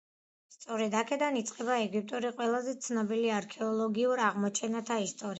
სწორედ აქედან იწყება ეგვიპტური ყველაზე ცნობილი არქეოლოგიურ აღმოჩენათა ისტორია.